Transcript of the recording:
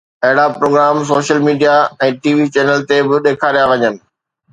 اهڙا programme social media ۽ T V تي به ڏيکاريا وڃن